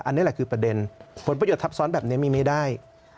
อันนี้แหละคือประเด็นผลประโยชน์ทับซ้อนแบบนี้มีไม่ได้